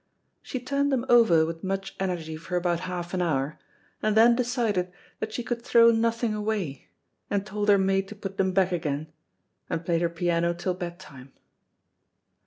She turned them over with much energy for about half an hour, and then decided that she could throw nothing away, and told her maid to put them back again, and played her piano till bed time.